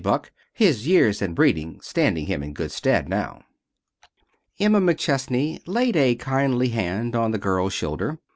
Buck, his years and breeding standing him in good stead now. Emma McChesney laid a kindly hand on the girl's shoulder.